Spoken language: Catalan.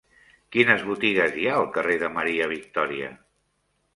Quines botigues hi ha al carrer de Maria Victòria?